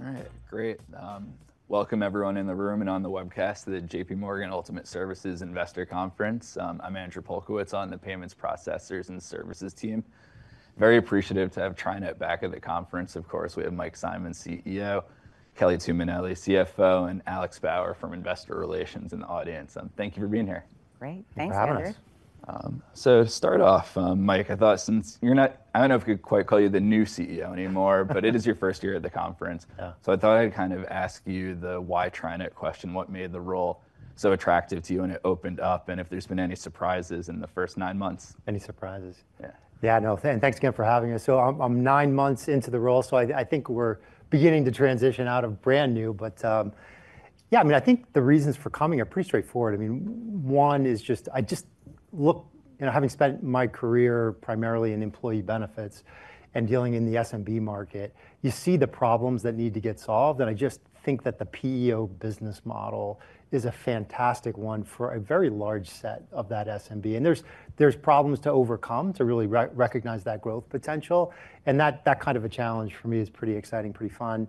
All right, great. Welcome everyone in the room and on the webcast to the JPMorgan Ultimate Services Investor Conference. I'm Andrew Polkowitz on the Payments Processors and Services team. Very appreciative to have TriNet back at the conference. Of course, we have Mike Simonds, CEO, Kelly Tuminelli, CFO, and Alex Bauer from Investor Relations in the audience. Thank you for being here. To start off, Mike, I thought since you're not active, I don't know if we could quite call you the new CEO anymore, but it is your first year at the conference, so I thought I'd kind of ask you the why TriNet question. What made the role so attractive to you? And it opened up and if there's been any surprises in the first nine months? Yeah, no. Thanks again for having us. So I'm nine months into the role, so I think we're beginning to transition out of brand new. But yeah, I mean, I think the reasons for coming are pretty straightforward. I mean, one is just, I just look, having spent my career primarily in employee benefits and dealing in the SMB market, you see the problems that need to get solved. And I just think that the PEO business model is a fantastic one for a very large set of that SMB. And there's problems to overcome to really recognize that growth potential. And that kind of a challenge for me is pretty exciting, pretty fun.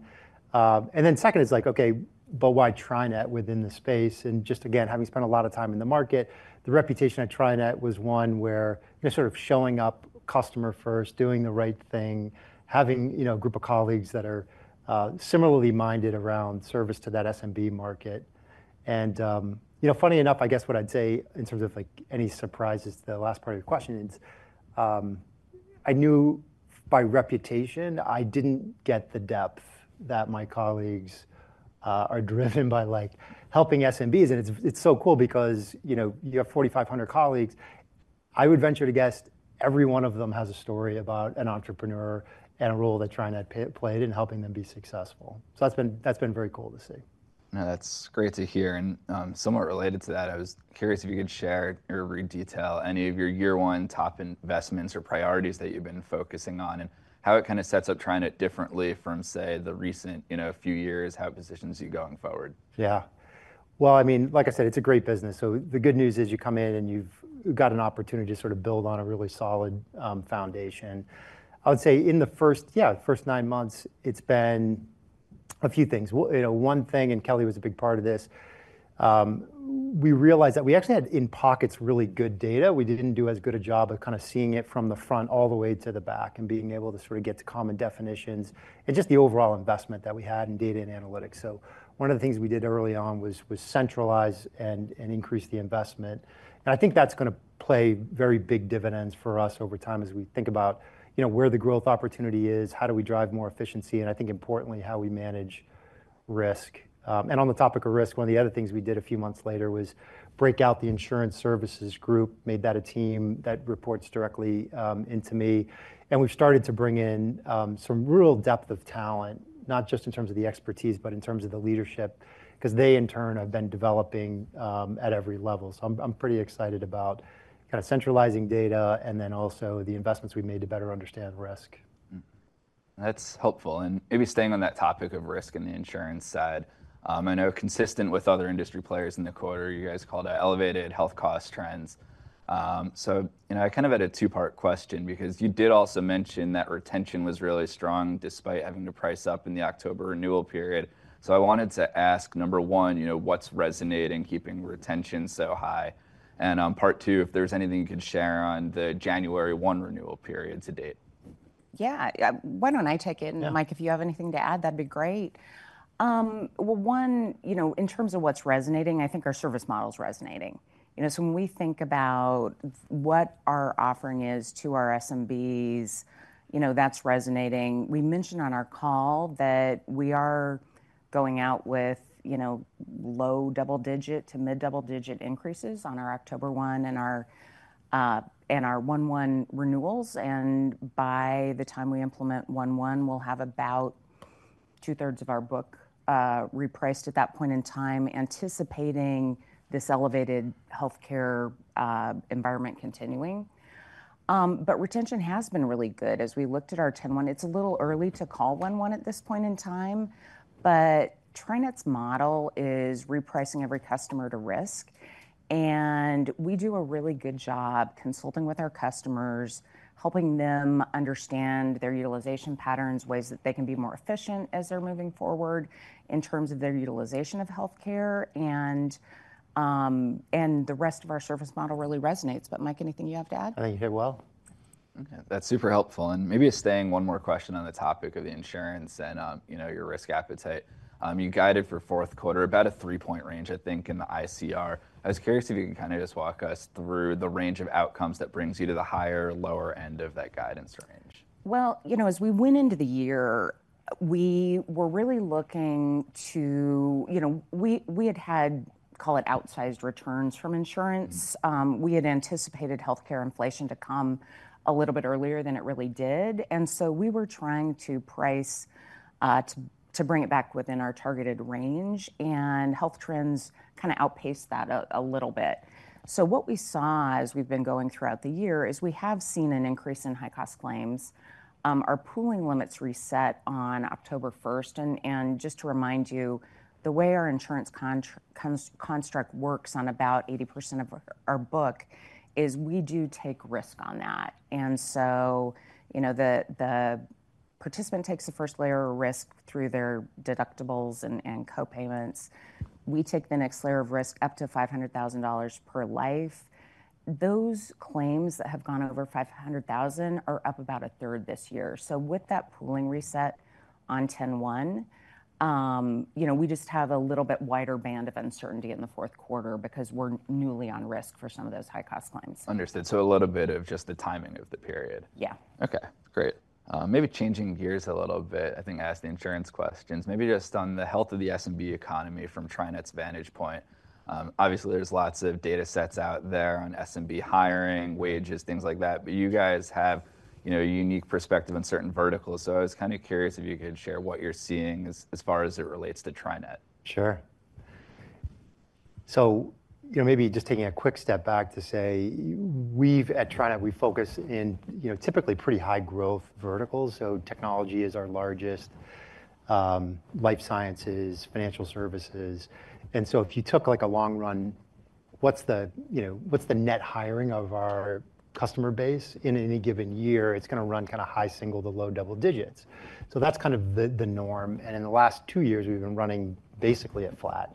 And then second is like, okay, but why TriNet within the space? And just again, having spent a lot of time in the market, the reputation at TriNet was one where sort of showing up customer first, doing the right thing, having a group of colleagues that are similarly minded around service to that SMB market. And funny enough, I guess what I'd say in terms of any surprises to the last part of your question, I knew by reputation I didn't get the depth that my colleagues are driven by helping SMBs. And it's so cool because you have 4,500 colleagues. I would venture to guess every one of them has a story about an entrepreneur and a role that TriNet played in helping them be successful. So that's been very cool to see. That's great to hear. And somewhat related to that. I was curious if you could share or detail any of your year one top investments or priorities that you've been focusing on and how it kind of sets up TriNet differently from say, the recent few years, how it positions you going forward? Yeah, well, I mean, like I said, it's a great business, so the good news is you come in and you've got an opportunity to sort of build on a really solid foundation. I would say in the first, yeah, first nine months it's been a few things. One thing, and Kelly was a big part of this. We realized that we actually had in pockets really good data. We didn't do as good a job of kind of seeing it from the front all the way to the back and being able to sort of get to common definitions and just the overall investment that we had in data and analytics. So one of the things we did early on was centralize and increase the investment and I think that's gonna play very big dividends for us over time as we think about where the growth opportunity is, how do we drive more efficiency and I think importantly how we manage risk. And on the topic of risk, one of the other things we did a few months later was break out the insurance services group, made that a team that reports directly into me. And we've started to bring in some real depth of talent, not just in terms of the expertise but in terms of the leadership because they in turn have been developing at every level. So I'm pretty excited about kind of centralizing data and then also the investments we've made to better understand risk, That's helpful, and maybe staying on that topic of risk in the insurance side, I know, consistent with other industry players in the quarter, you guys called out elevated health cost trends. So I kind of had a two-part question because you did also mention that retention was really strong despite having to price up in the October renewal period. So I wanted to ask, number one, what's resonating keeping retention so high? And part two, if there's anything you could share on the January 1 renewal period to date. Yeah, why don't I take it, and Mike, if you have anything to add, that'd be great. Well, one, in terms of what's resonating, I think our service model is resonating. When we think about what our offering is to our SMBs, that's resonating. We mentioned on our call that we are going out with, you know, low double digit to mid double digit increases on our October 1 and our 1/1 renewals. And by the time we implement 1/1, we'll have about 2/3 of our book repriced at that point in time anticipating this elevated health care environment continuing. But retention has been really good. As we looked at our [term one], it's a little early to call 1/1 at this point in time, but TriNet's model is repricing every customer to risk. And we do a really good job consulting with our customers, helping them understand their utilization patterns, ways that they can be more efficient as they're moving forward in terms of their utilization of healthcare and the rest of our service model really resonates. But Mike, anything you have to add? I think you hit well. Okay, that's super helpful, and maybe staying. One more question on the topic of the insurance and your risk appetite. You guided for fourth quarter about a three-point range, I think, in the ICR. I was curious if you can kind of just walk us through the range of outcomes that brings you to the higher, lower end of that guidance range. Well, you know, as we went into the year we were really looking to, you know, we had had, call it, outsized returns from insurance. We had anticipated health care inflation to come a little bit earlier than it really did, and so we were trying to price to bring it back within our targeted range and health trends kind of outpace that a little bit, so what we saw as we've been going throughout the year is we have seen an increase in high cost claims. Our pooling limits reset on October 1st, and just to remind you the way our insurance construct works on about 80% of our book is we do take risk on that, and so the participant takes the first layer of risk through their deductibles and co-payments. We take the next layer of risk up to $500,000 per life. Those claims that have gone over $500,000 are up about 1/3 this year, so with that pooling reset on October 1 we just have a little bit wider band of uncertainty in the fourth quarter because we're newly on risk for some of those high cost claims. Understood, so a little bit of just the timing of the period. Yeah. Okay, great. Maybe changing gears a little bit. I think I asked the insurance questions maybe just on the health of the SMB economy from TriNet's vantage point. Obviously there's lots of data sets out there on SMB hiring, wages, things like that. But you guys have a unique perspective on certain verticals. So I was kind of curious if you could share what you're seeing as far as it relates to TriNet. Sure. So maybe just taking a quick step back to say we've at TriNet we focus in typically pretty high growth verticals. So technology is our largest, life sciences, financial services. And so if you took like a long run, what's the net hiring of our customer base in any given year it's going to run kind of high single- to low double digits. So that's kind of the norm. And in the last two years, we've been running basically at flat,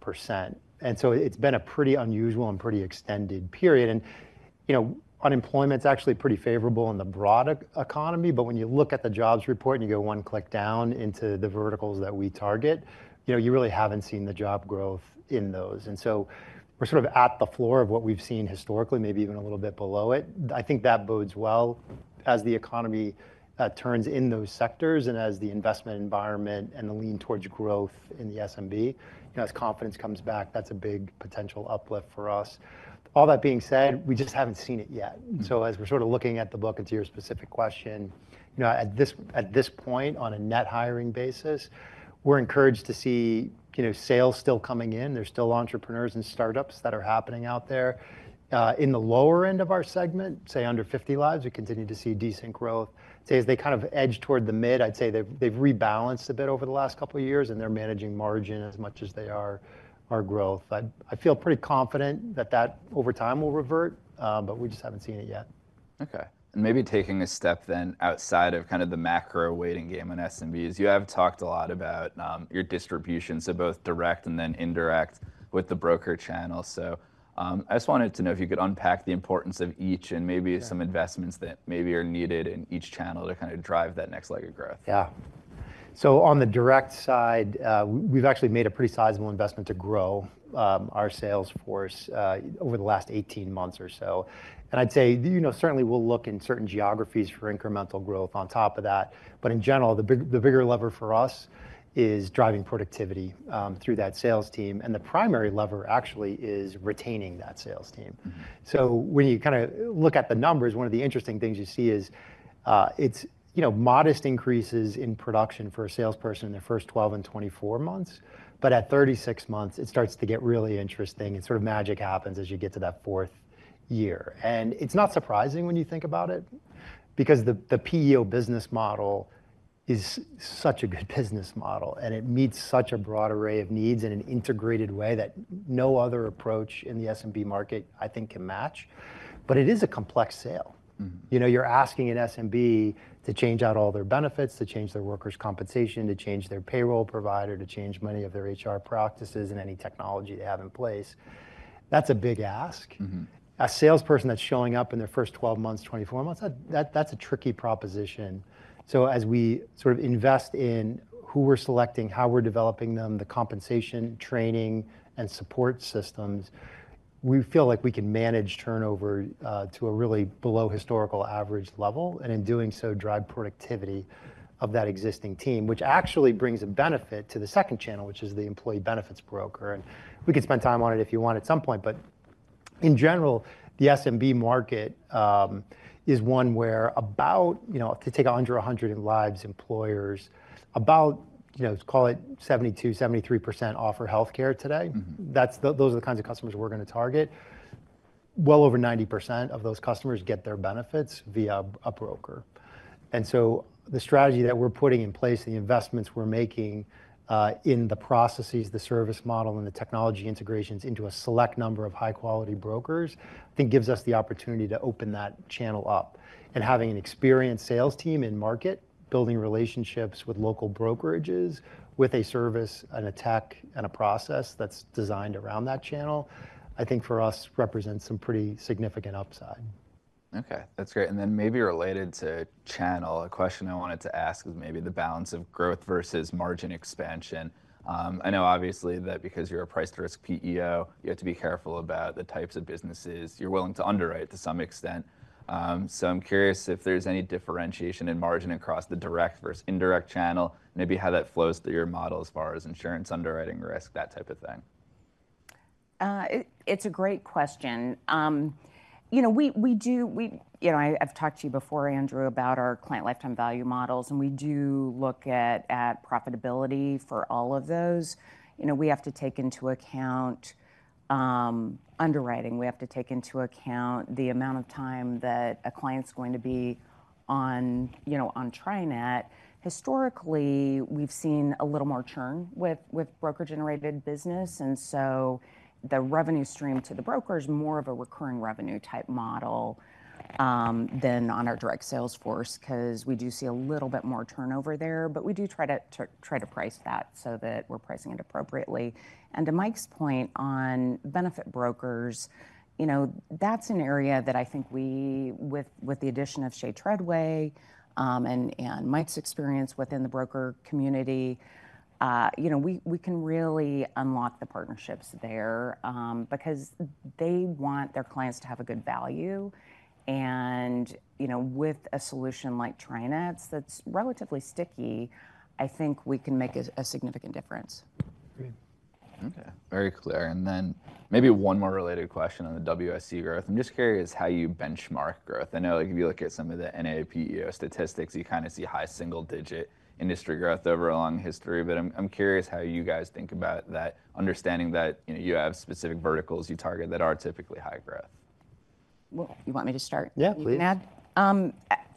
you know, just under 1%. And so it's been a pretty unusual and pretty extended period. And, you know, unemployment is actually pretty favorable in the broader economy. But when you look at the jobs report and you go one click down into the verticals that we target, you know, you really haven't seen the job growth in those. And so we're sort of at the floor of what we've seen historically, maybe even a little bit below it. I think that bodes well as the economy turns in those sectors and as the investment environment and the lean towards growth in the SMB , as confidence comes back, that's a big potential uplift for us. All that being said, we just haven't seen it yet. So as we're sort of looking at the book and to your specific question, at this point, on a net hiring basis, we're encouraged to see sales still coming in. There's still entrepreneurs and startups that are happening out there in the lower end of our segment, say under 50 lives. We continue to see decent growth as they kind of edge toward the mid. I'd say they've rebalanced a bit over the last couple of years and they're managing margin as much as they are our growth. I feel pretty confident that that over time will revert, but we just haven't seen it yet. Okay, maybe taking a step then, outside of kind of the macro waiting game on SMBs, you have talked a lot about your distribution, so both direct and then indirect with the broker channel. So I just wanted to know if you could unpack the importance of each and maybe some investments that maybe are needed in each channel to kind of drive that next leg of growth? Yeah, so on the direct side, we've actually made a pretty sizable investment to grow our sales force over the last 18 months or so. And I'd say, you know, certainly we'll look in certain geographies for incremental growth on top of that. But in general, the bigger lever for us is driving productivity through that sales team. And the primary lever actually is retaining that sales team. So when you kind of look at the numbers, one of the interesting things you see is it's, you know, modest increases in production for a salesperson in their first 12 and 24 months. But at 36 months, it starts to get really interesting and sort of magic happens as you get to that fourth year. And it's not surprising when you think about it, because the PEO business model is such a good business model and it meets such a broad array of needs in an integrated way that no other approach in the SMB market I think can match. But it is a complex sale. You know, you're asking an SMB to change out all their benefits, to change their workers' compensation, to change their payroll provider, to change many of their HR practices and any technology they have in place, that's a big ask. A salesperson that's showing up in their first 12 months, 24 months, that's a tricky proposition. So as we sort of invest in who we're selecting, how we're developing them, the compensation, training and support systems, we feel like we can manage turnover to a really below historical average level and in doing so drive productivity of that existing team, which actually brings a benefit to the second channel, which is the employee benefits broker. And we could spend time on it if you want at some point. But in general the SMB market is one where about [you can take] under 100 lives. Employers about, call it 72%-73% offer healthcare today. Those are the kinds of customers we're going to target. Well over 90% of those customers get their benefits via a broker. And so the strategy that we're putting in place, the investments we're making in the processes, the service model and the technology integrations into a select number of high quality brokers gives us the opportunity to open that channel up. And having an experienced sales team in market building relationships with local brokerages with a service and a tech and a process that's designed around that channel, I think for us represents some pretty significant upside. Okay, that's great. Then maybe related to channel, a question I wanted to ask is maybe the balance of growth versus margin expansion. I know obviously that because you're a price-to-risk PEO, you have to be careful about the types of businesses you're willing to underwrite to some extent. So I'm curious if there's any differentiation in margin across the direct versus indirect channel. Maybe how that flows through your model as far as insurance underwriting risk, that type of thing. It's a great question. You know, we do. You know, I've talked to you before Andrew, about our client lifetime value models and we do look at profitability for all of those. You know, we have to take into account underwriting, we have to take into account the amount of time that a client's going to be on. You know, on TriNet, historically we've seen a little more churn with broker generated business. And so the revenue stream to the broker is more of a recurring revenue type model than on our direct sales force because we do see a little bit more turnover there. But we do try to price that so that we're pricing it appropriately. To Mike's point, on benefit brokers, you know, that's an area that I think we with the addition of Shea Treadway and Mike's experience within the broker community, you know, we can really unlock the partnerships there because they want their clients to have a good value. You know, with a solution like TriNet's that's relatively stable, sticky, I think we can make a significant difference. Okay, very clear. And then maybe one more related question on the WSE growth. I'm just curious how you benchmark growth. I know if you look at some of the NAPEO statistics, you kind of see high single digit industry growth over a long history. But I'm curious how you guys think about that understanding that you have specific verticals you target that are typically high growth. You want me to start? Yeah, please.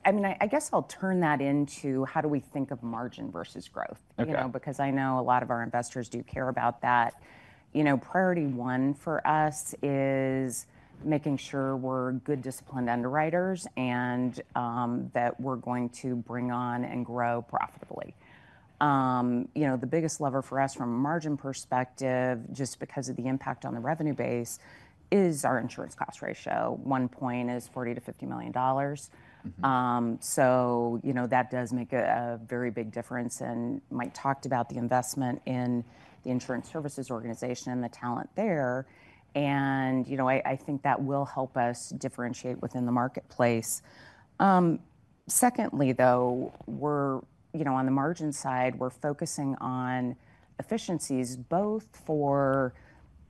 I mean, I guess I'll turn that into how do we think of margin versus growth? You know, because I know a lot of our investors do care about that. You know, priority one for us is making sure we're good, disciplined underwriters and that we're going to bring on and grow profitably. You know, the biggest lever for us from a margin perspective, just because of the impact on the revenue base and is our insurance cost ratio. One point is $40 million-$50 million. So, you know, that does make a very big difference, and Mike talked about the investment in the insurance services organization and the talent there, and you know, I think that will help us differentiate within the marketplace. Secondly though, we're, you know, on the margin side, we're focusing on efficiencies, both for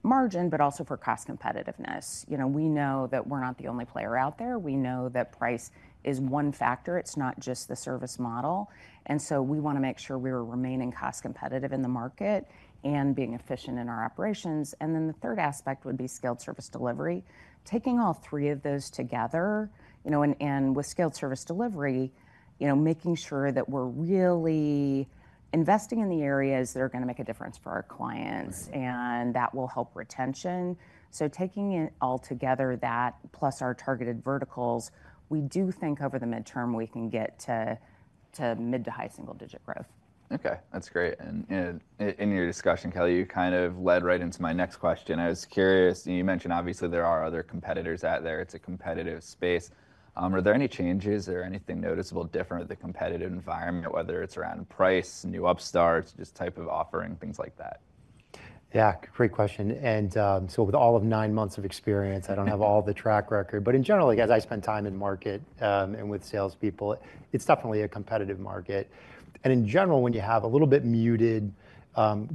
margin but also for cost competitiveness. You know, we know that we're not the only player out there. We know that price is one factor, it's not just the service model, and so we want to make sure we were remaining cost competitive in the market and being efficient in our operations, and then the third aspect would be skilled service delivery, taking all three of those together, you know, and with skilled service delivery, you know, making sure that we're really investing in the areas that are going to make a difference for our clients and that will help retention, so taking it all together, that plus our targeted verticals, we do think over the midterm we can get to mid- to high single-digit growth. Okay, that's great. And in your discussion, Kelly, you kind of led right into my next question. I was curious. You mentioned obviously there are other competitors out there, it's a competitive space. Are there any changes or anything noticeable different with the competitive environment, whether it's around price, new upstarts, just type of offerings, things like that? Yeah, great question. And so with all of nine months of experience, I don't have all the track record, but in general, as I spend time in market and with salespeople, it's definitely a competitive market. And in general, when you have a little bit muted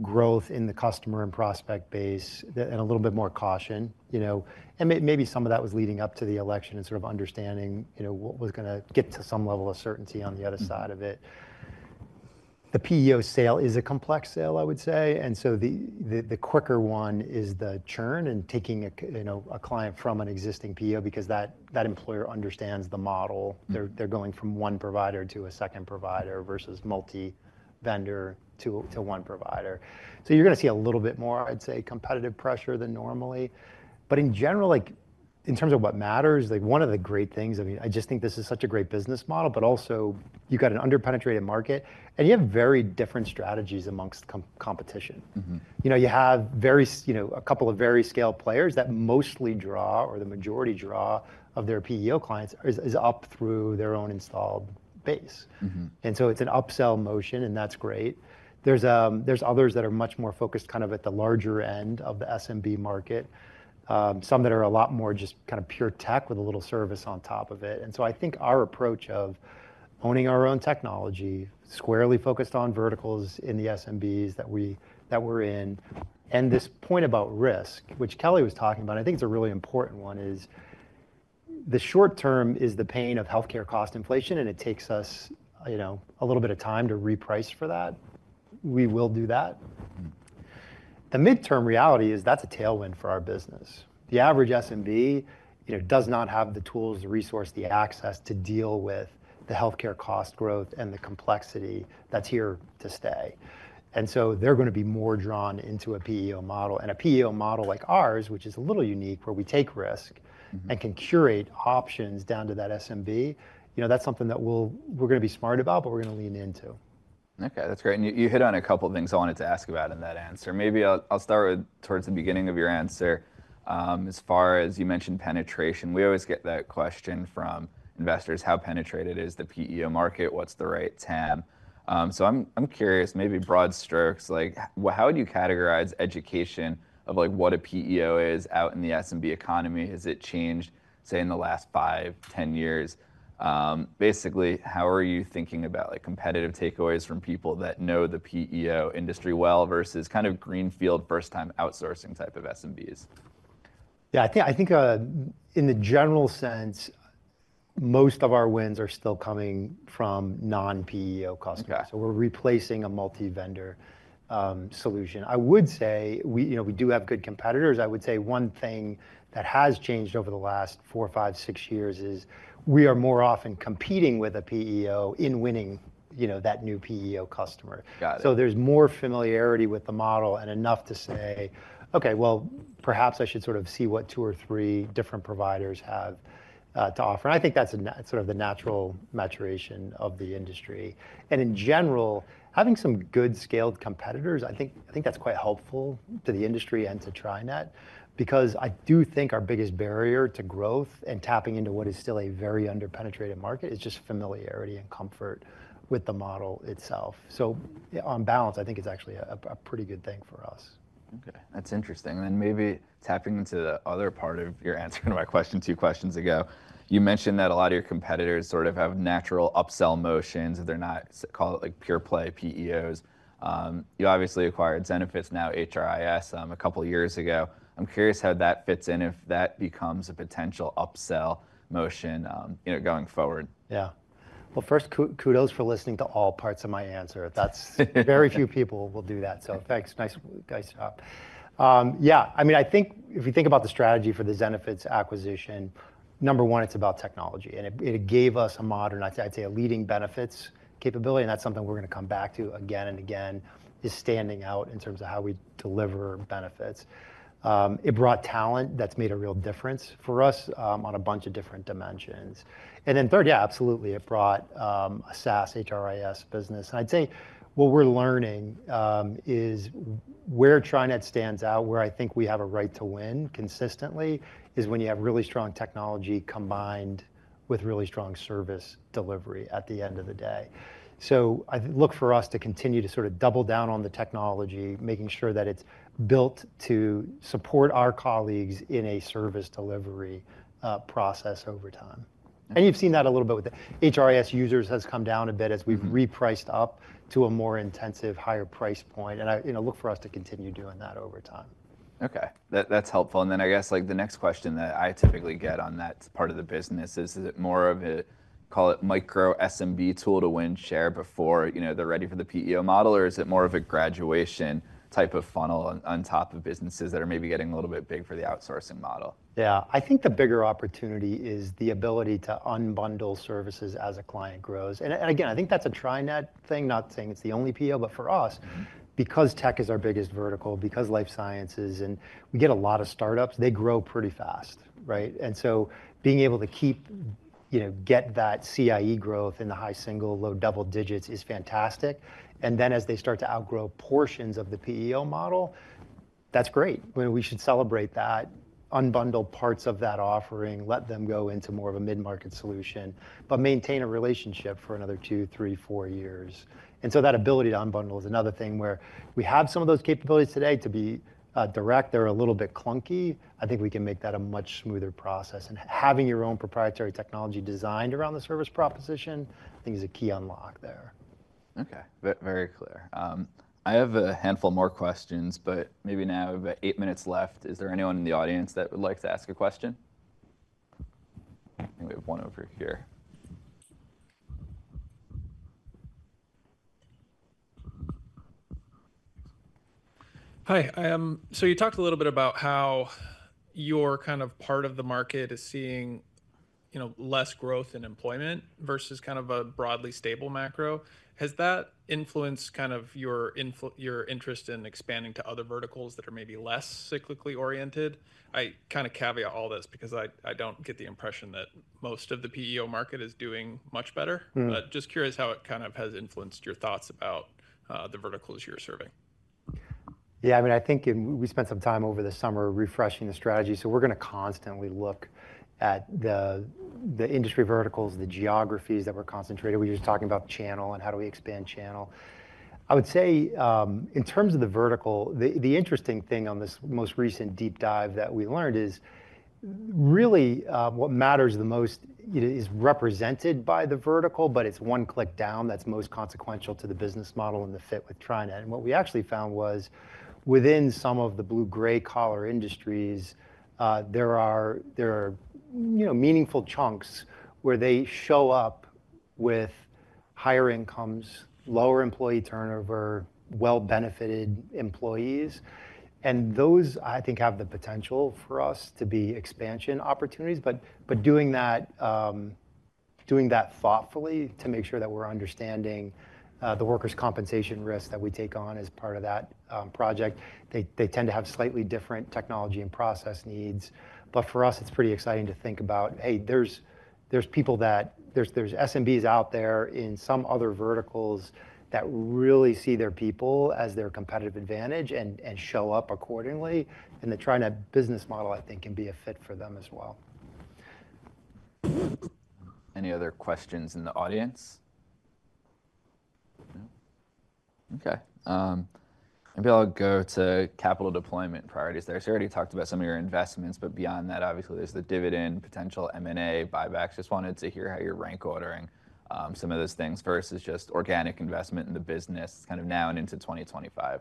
growth in the customer and prospect base and a little bit more caution, and maybe some of that was leading up to the election and sort of understanding what was going to get to some level of certainty on the other side of it. The PEO sale is a complex sale, I would say. And so the quicker one is the churn. And taking a client from an existing PEO because that employer understands the model, they're going from one provider to a second provider versus multi vendor to one provider. So you're going to see a little bit more, I'd say, competitive pressure than normally. But in general, in terms of what matters, one of the great things, I just think this is such a great business model, but also you've got an underpenetrated market and you have very different strategies among competition. You know, you have very, you know, a couple of very scaled players that mostly draw or the majority draw of their PEO clients is up through their own installed base. And so it's an upsell motion and that's great. There's others that are much more focused kind of at the larger end of the SMB market, some that are a lot more just kind of pure tech with a little service on top of it. And so I think our approach of owning our own technology squarely focused on verticals in the SMBs that we're in. And this point about risk, which Kelly was talking about, I think it's a really important one, is the short term is the pain of healthcare cost inflation. And it takes us a little bit of time to reprice for that. We will do that. The midterm reality is that's a tailwind for our business. The average SMB, you know, does not have the tools, the resource, the access to deal with the health care cost growth and the complexity that's here to stay. And so they're going to be more drawn into a PEO model and a PEO model like ours, which is a little unique where we take risk and can curate options down to that SMB. You know, that's something that we're going to be smart about, but we're going to lean into. Okay, that's great, and you hit on a couple of things I wanted to ask about in that answer. Maybe I'll start towards the beginning of your answer. As far as you mentioned penetration, we always get that question from investors. How penetrated is the PEO market? What's the right TAM? I'm curious, maybe broad strokes, how do you categorize education of what a PEO is out in the SMB economy? Has it changed say in the last five, 10 years? Basically, how are you thinking about competitive takeaways from people that know the PEO industry well versus greenfield first time outsourcing type of SMBs? Yeah, I think in the general sense most of our wins are still coming from non-PEO customers, so we're replacing a multi-vendor solution. I would say we do have good competitors. I would say one thing that has changed over the last four, five, six years is we are more often competing with a PEO in winning that new PEO customer, so there's more familiarity with the model and enough to say, okay, well perhaps I should sort of see what two or three different providers have to offer. I think that's sort of the natural maturation of the industry and in general having some good scaled competitors, I think that's quite helpful to the industry and to TriNet because I do think our biggest barrier to growth and tapping into what is still a very underpenetrated market is just familiarity and comfort with the model itself. On balance I think it's actually a pretty good thing for us. Okay, that's interesting. And then maybe tapping into the other part of your answer to my question. Two questions ago, you mentioned that a lot of your competitors sort of have natural upsell motions. They're not, call it like pure play PEOs. You obviously acquired Zenefits now HRIS a couple of years ago. I'm curious how that fits in, if that becomes a potential upsell motion going forward. Yeah, well first kudos for listening to all parts of my answer. That's very few people will do that, so thanks. Nice job. Yeah, I mean I think if you think about the strategy for the Zenefits acquisition, number one, it's about technology and it gave us a modern, I'd say a leading benefits capability. And that's something we're going to come back to again and again is standing out in terms of how we deliver benefits. It brought talent that's made a real difference for us on a bunch of different dimensions. And then third, yeah, absolutely. It brought a SaaS HRIS business. I'd say what we're learning is where TriNet stands out. Where I think we have a right to win consistently is when you have really strong technology combined with really strong service delivery at the end of the day. So I look for us to continue to sort of double down on the technology, making sure that it's built to support our colleagues in a service delivery process over time. And you've seen that a little bit with the HRIS users has come down a bit as we've repriced up to a more intensive, higher price point and look for us to continue doing that over time. Okay, that's helpful. And then I guess the next question that I typically get on that part of the business, is it more of a, call it micro SMB tool to win share before they're ready for the PEO model or is it more of a graduation type of funnel on top of businesses that are maybe getting a little bit big for the outsourcing model? Yeah, I think the bigger opportunity is the ability to unbundle services as a client grows. And again, I think that's a TriNet thing. Not saying it's the only PEO but for us, because tech is our biggest vertical, because life sciences and we get a lot of startups, they grow pretty fast. Right. And so being able to keep, you know, get that CIE growth in the high single, low double digits is fantastic. And then as they start to outgrow portions of the PEO model, that's great. We should celebrate that. Unbundle parts of that offering, let them go into more of a mid market solution, but maintain a relationship for another two, three, four years. And so that ability to unbundle is another thing where we have some of those capabilities today to be direct, they're a little bit clunky. I think we can make that a much smoother process, and having your own proprietary technology designed around the service proposal, I think is a key unlock there. Okay, very clear. I have a handful more questions, but maybe now about eight minutes left. Is there anyone in the audience that would like to ask a question? We have one over here. Hi.So you talked a little bit about how your kind of part of the market is seeing, you know, less growth in employment versus kind of a broadly stable macro. Has that influenced kind of your interest in expanding to other verticals that are maybe less cyclically oriented? I kind of caveat all this because I don't get the impression that most of the PEO market is doing much better, but just curious how it kind of has influenced your thoughts about the verticals you're serving. Yeah, I mean, I think we spent some time over the summer refreshing the strategy. So we're going to constantly look at the industry verticals, the geographies that were concentrated. We were just talking about channel and how do we expand channel. I would say in terms of the vertical. The interesting thing on this most recent deep dive that we learned is really what matters the most is represented by the vertical, but it's one click down. That's most consequential to the business model and the fit with TriNet. And what we actually found was within some of the blue-gray collar industries, there are meaningful chunks where they show up with higher incomes, lower employee turnover, well, benefited employees. And those I think have the potential for us to be expansion opportunities. But doing that thoughtfully to make sure that we're understanding the workers' compensation risk that we take on as part of that project. They tend to have slightly different technology and process needs, but for us it's pretty exciting to think about. Hey, there's people that, there's SMBs out there in some other verticals that really see their people as their competitive advantage and show up accordingly. And the TriNet business model I think can be a fit for them as well. Any other questions in the audience? Okay, maybe I'll go to capital deployment priorities there. So you already talked about some of your investments, but beyond that, obviously there's the dividend potential, M&A buybacks. Just wanted to hear how you're rank ordering some of those things versus just organic investment in the business kind of now and into 2025.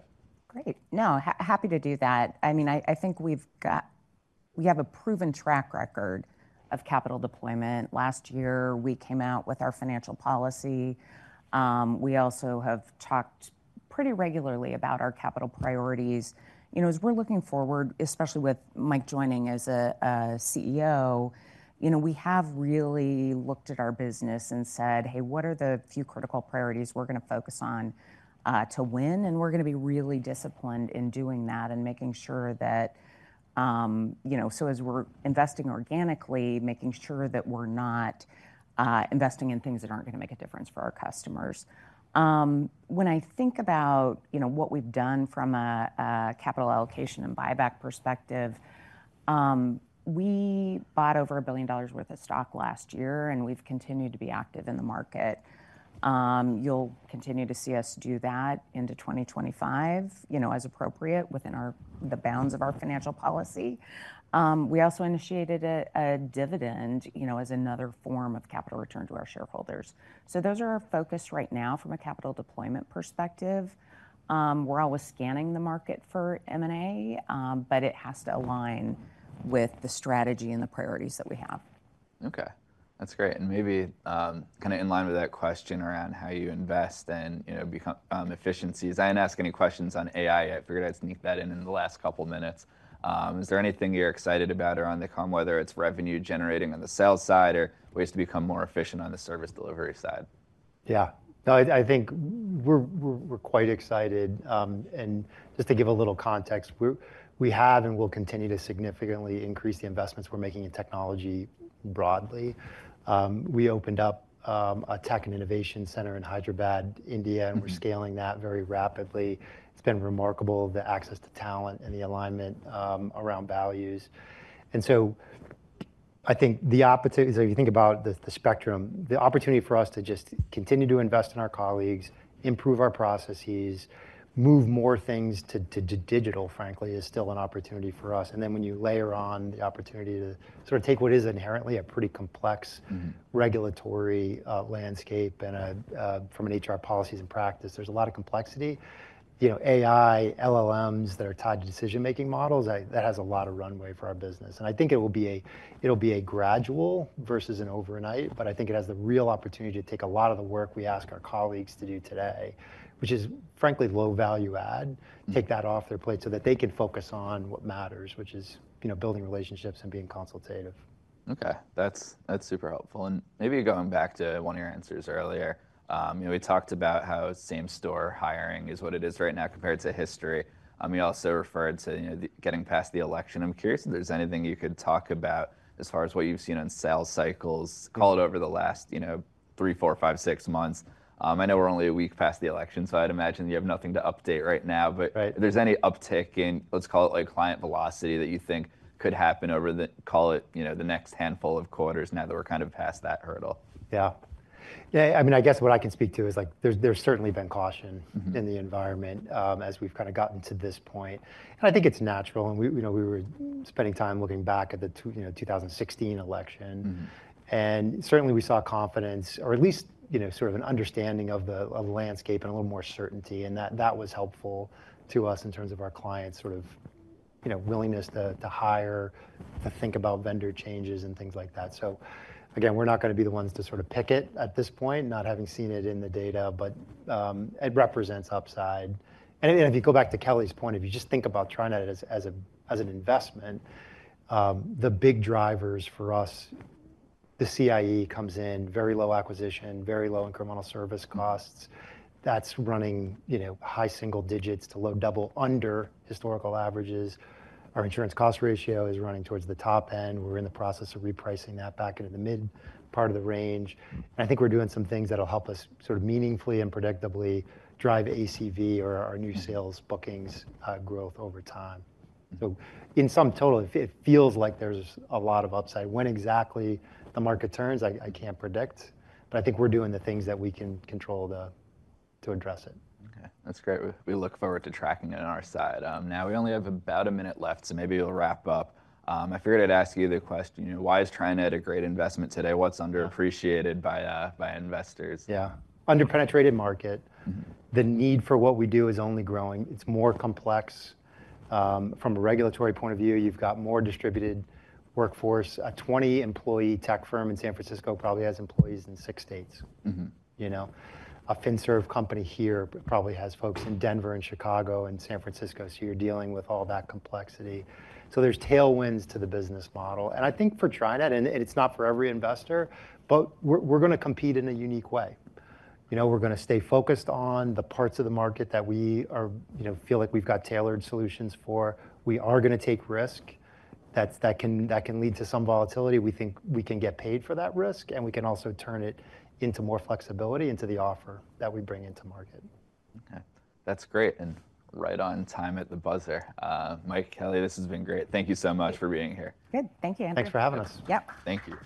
Great. No, happy to do that. I mean, I think we've got, we have a proven track record capital deployment. Last year we came out with our financial policy. We also have talked pretty regularly about our capital priorities. You know, as we're looking forward, especially with Mike joining as a CEO, you know, we have really looked at our business and said, hey, what are the few critical priorities we're going to focus on to win and we're going to be really disciplined in doing that and making sure that, you know, so as we're investing organically, making sure that we're not investing in things that aren't going to make a difference for our customers. When I think about, you know, what we've done from a capital allocation and buyback perspective, we bought over $1 billion worth of stock last year and we've continued to be active in the market. You'll continue to see us do that into 2025, you know, as appropriate, within our, the bounds of our financial policy. We also initiated a dividend, you know, as another form of capital return to our shareholders. So those are our focus right now. From a capital deployment perspective. We're always scanning the market for M&A, but it has to align with the strategy and the priorities that we have. Okay, that's great. And maybe kind of in line with that question around how you invest and you know, become efficiencies. I didn't ask any questions on AI. I figured I'd sneak that in in the last couple minutes. Is there anything you're excited about around the comm, whether it's revenue generating on the sales side or ways to become more efficient on the service delivery side? Yeah, I think we're quite excited. And just to give a little context, we have and will continue to significantly increase the investments we're making in technology broadly. We opened up a tech and innovation center in Hyderabad, India, and we're scaling that very rapidly. And it's been remarkable the access to talent and the alignment around values. And so I think the opportunity, if you think about the spectrum, the opportunity for us to just continue to invest in our colleagues, improve our processes, move more things to digital, frankly, is still an opportunity for us. And then when you layer on the opportunity to sort of take what is inherently a pretty complex regulatory landscape and a, from an HR policies and practice, there's a lot of complexity. You know, AI LLMs that are tied to decision making models, that has a lot of runway for our business. I think it will be a, it'll be a gradual versus an overnight, but I think it has the real opportunity to take a lot of the work we ask our colleagues to do today, which is frankly low value add, take that off their plate so that they can focus on what matters, which is, you know, building relationships and being consultative. Okay, that's, that's super helpful, and maybe going back to one of your answers earlier, you know, we talked about how same-store hiring is what it is right now compared to history. You also referred to getting past the election. I'm curious if there's anything you could talk about as far as what you've seen on sales cycles, call it over the last three, four or five, six months. I know we're only a week past the election, so I'd imagine you have nothing to update right now, but is there any uptick in, let's call it like client velocity that you think could happen over the, call it the next handful of quarters now that we're kind of past that hurdle? Yeah, I mean, I guess what I can speak to is like there's certainly been caution in the environment as we've kind of gotten to this point and I think it's natural and we were spending time looking back at the 2016 election and certainly we saw confidence or at least sort of an understanding of the landscape and a little more certainty and that was helpful to us in terms of our clients sort of willingness to hire, to think about vendor changes and things like that. So again, we're not going to be the ones to sort of pick it at this point, not having seen it in the data, but it represents upside and if you go back to Kelly's point, if you just think about TriNet as an investment, the big drivers for us, the CIE comes in very low acquisition, very low incremental service costs. That's running high single digits to low double under historical averages. Our insurance cost ratio is running towards the top end. We're in the process of repricing that back into the mid part of the range. I think we're doing some things that'll help us sort of meaningfully and predictably drive ACV or our new sales bookings growth over time. So in sum total, it feels like there's a lot of upside. When exactly the market turns, I can't predict. But I think we're doing the things that we can control to address it. That's great. We look forward to tracking it on our side. Now we only have about a minute left, so maybe we'll wrap up. I figured I'd ask you the question, why is TriNet a great investment today? What's underappreciated by investors? Yeah, underpenetrated market. The need for what we do is only growing. It's more complex from a regulatory point of view. You've got more distributed workforce. A 20-employee tech firm in San Francisco probably has employees in six states. You know, a financial services company here probably has folks in Denver and Chicago and San Francisco. So you're dealing with all that complexity. So there's tailwinds to the business model and I think for TriNet, and it's not for every investor, but we're going to compete in a unique way. You know, we're going to stay focused on the parts of the market that we feel like we've got tailored solutions for. We are going to take risk that can lead to some volatility. We think we can get paid for that risk, and we can also turn it into more flexibility into the offer that we bring into market. Okay, that's great and right on time at the buzzer, Mike, Kelly. This has been great. Thank you so much for being here. Good. Thank you. Thanks for having us. Yep. Thank you.